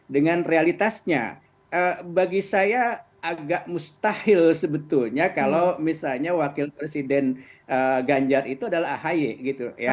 dengan realitasnya bagi saya agak mustahil sebetulnya kalau misalnya wakil presiden ganjar itu adalah ahy gitu ya